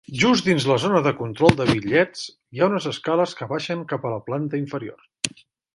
Just dins de la zona de control de bitllets, hi ha unes escales que baixen cap a la planta inferior.